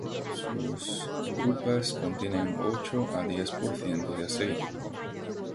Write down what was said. Sus drupas contienen ocho a diez por ciento de aceite.